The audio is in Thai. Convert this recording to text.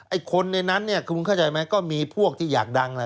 คนในนั้นเนี่ยคุณเข้าใจไหมก็มีพวกที่อยากดังแหละ